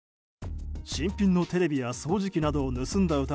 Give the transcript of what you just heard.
新品のテレビや掃除機などを盗んだ